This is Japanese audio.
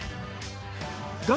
画面